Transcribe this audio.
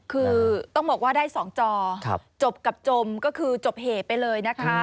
คือต้องบอกว่าได้๒จอจบกับจมก็คือจบเหตุไปเลยนะคะ